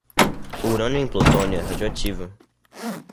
O urânio em plutônio é radioativo.